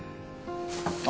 あ。